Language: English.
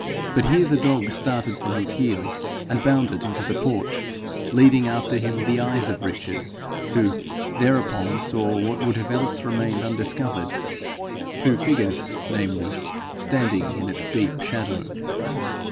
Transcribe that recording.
But here the dog started from his heel, and bounded into the porch, leading after him the eyes of Richard, who thereupon saw what would have else remained undiscovered two figures, namely, standing in its deep shadow.